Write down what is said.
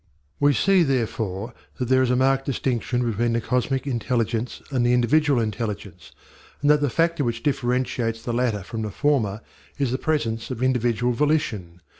We see, therefore, that there is a marked distinction between the cosmic intelligence and the individual intelligence, and that the factor which differentiates the latter from the former is the presence of individual volition.